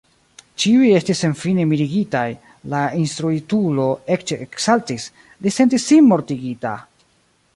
Ĉiuj estis senfine mirigitaj, la instruitulo eĉ eksaltis; li sentis sin mortigita!